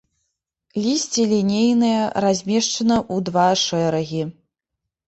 Лісце лінейнае, размешчана ў два шэрагі.